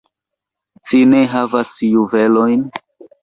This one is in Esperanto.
Ci ne havas juvelojn?